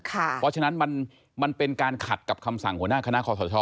เพราะฉะนั้นมันเป็นการขัดกับคำสั่งหัวหน้าคณะคอสช